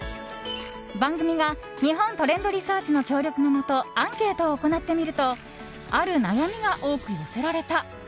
番組が日本トレンドリサーチの協力のもとアンケートを行ってみるとある悩みが多く寄せられた。